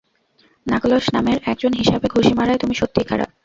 Knuckles নামের একজন হিসাবে ঘুষি মারায় তুমি সত্যিই খারাপ।